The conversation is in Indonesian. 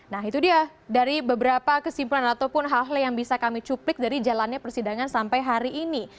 nah itu dia dari beberapa kesimpulan ataupun hal hal yang bisa kami cuplik dari jalannya persidangan sampai hari ini